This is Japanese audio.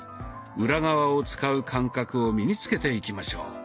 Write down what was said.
裏側を使う感覚を身に付けていきましょう。